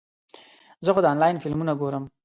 زه د انلاین فلمونه ګورم.